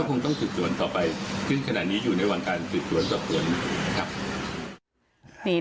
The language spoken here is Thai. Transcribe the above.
ก็คงต้องสุดส่วนต่อไปขึ้นขนาดนี้อยู่ในวางการสุดส่วนต่อไป